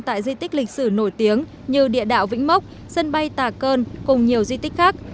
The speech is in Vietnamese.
tại di tích lịch sử nổi tiếng như địa đạo vĩnh mốc sân bay tà cơn cùng nhiều di tích khác